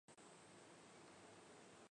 札木合。